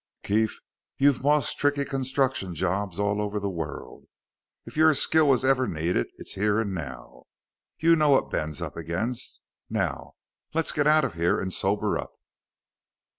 "Keef, you've bossed tricky construction jobs all over the world. If your skill was ever needed, it's here and now. You know what Ben's up against. Now let's get out of here and sober up."